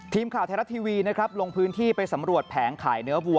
ทีมข่าวไทยรัฐทีวีนะครับลงพื้นที่ไปสำรวจแผงขายเนื้อวัว